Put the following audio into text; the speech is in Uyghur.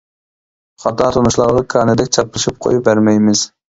خاتا تونۇشلارغا كانىدەك چاپلىشىپ قويۇپ بەرمەيمىز.